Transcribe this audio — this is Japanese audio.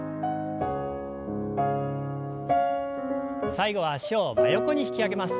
最後は脚を真横に引き上げます。